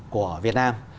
của việt nam